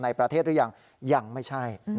ในประเทศหรือยังยังไม่ใช่